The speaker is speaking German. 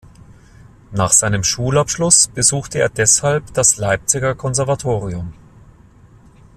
Nach seinem Schulabschluss besuchte er deshalb das Leipziger Konservatorium.